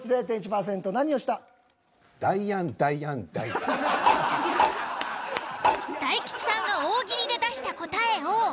大吉さんが大喜利で出した答えを。